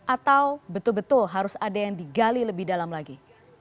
atau betul betul harus ada yang digali lebih dalam lagi